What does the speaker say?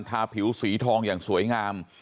ทาผิวสีทองอย่างสวยงาม